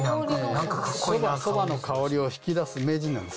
そばの香りを引き出す名人なんです。